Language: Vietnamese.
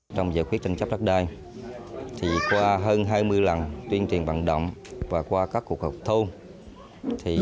tranh chấp đất đai qua hơn hai mươi lần tuyên truyền bằng động và qua các cuộc hợp thông